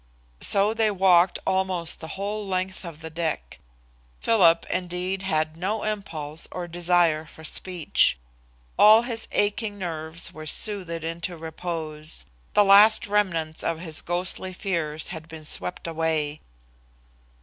So they walked almost the whole length of the deck. Philip, indeed, had no impulse or desire for speech. All his aching nerves were soothed into repose. The last remnants of his ghostly fears had been swept away.